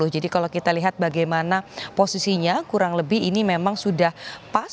jadi kalau kita lihat bagaimana posisinya kurang lebih ini memang sudah pas